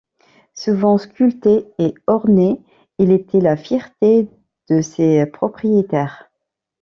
Souvent sculpté et orné, il était la fierté de ses propriétaires.